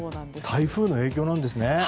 台風の影響なんですね。